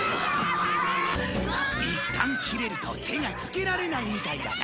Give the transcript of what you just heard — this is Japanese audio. いったんキレると手がつけられないみたいだな